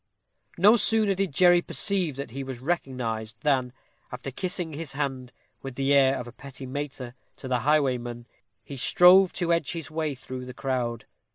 No sooner did Jerry perceive that he was recognized, than, after kissing his hand, with the air of a petit maître, to the highwayman, he strove to edge his way through the crowd.